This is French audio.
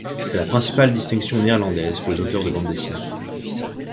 C'est la principale distinction néerlandaise pour les auteurs de bande dessinée.